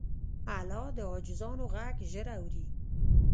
الله د عاجزانو غږ ژر اوري.